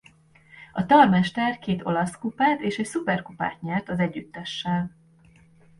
A tar mester két Olasz Kupát és egy Szuperkupát nyert az együttessel.